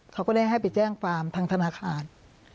เขาก็แนะให้ไปแจ้งฟาร์มทางธนาคาร